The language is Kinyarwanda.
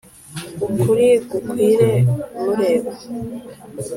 ukuri gukwire mureba